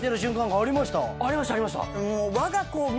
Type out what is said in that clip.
ありましたありました。